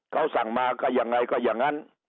เขาสั่งมาก็ยังไงก็อย่างนั้น